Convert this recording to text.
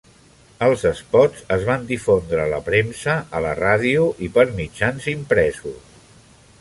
Els espots es van difondre a la premsa, a la ràdio i per mitjans impresos.